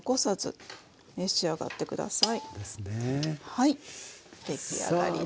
はい出来上がりです。